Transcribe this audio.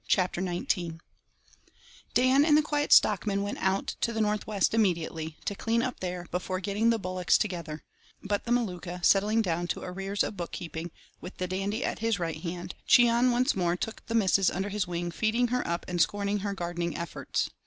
CHAPTER XIX Dan and the Quiet Stockman went out to the north west immediately, to "clean up there" before getting the bullocks together; but the Maluka, settling down to arrears of bookkeeping, with the Dandy at his right hand, Cheon once more took the missus under his wing feeding her up and scorning her gardening efforts.